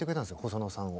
細野さんを。